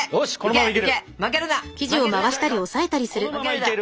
いけいけ！